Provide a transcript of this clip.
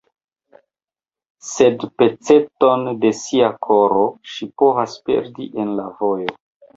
Sed peceton de sia koro ŝi povas perdi en la vojo.